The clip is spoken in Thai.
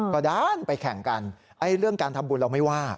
ก็ด้านไปแข่งกันเรื่องการทำบุญเราไม่ว่า